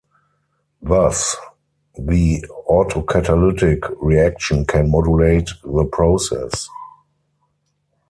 Thus, the autocatalytic reaction can modulate the process.